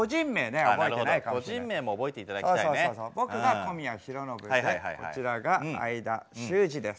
僕が小宮浩信でこちらが相田周二です。